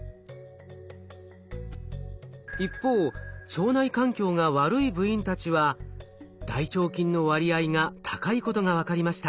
一方腸内環境が悪い部員たちは大腸菌の割合が高いことが分かりました。